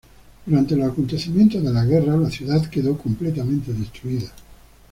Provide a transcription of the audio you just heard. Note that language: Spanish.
Durante los acontecimientos de la guerra la ciudad quedó completamente destruida.